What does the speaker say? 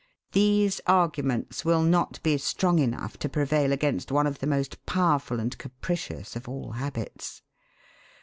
These arguments will not be strong enough to prevail against one of the most powerful and capricious of all habits.